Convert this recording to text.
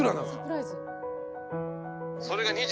それが。